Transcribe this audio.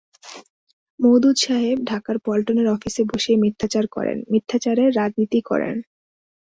মওদুদ সাহেব ঢাকার পল্টনের অফিসে বসে মিথ্যাচার করেন, মিথ্যাচারের রাজনীতি করেন।